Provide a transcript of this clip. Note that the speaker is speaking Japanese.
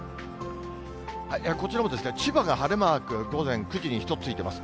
こちらも千葉が晴れマーク、午前９時に１つついてます。